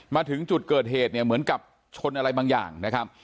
มาถึงจุดเกิดเหตุเหมือนกับชนอะไรบางอย่าง